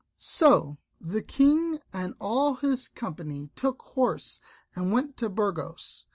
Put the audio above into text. So the King and all his company took horse and went to Burgos.